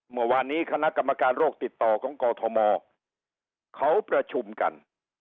เมื่อวานนี้คณะกรรมการโรคติดต่อของกอทมเขาประชุมกัน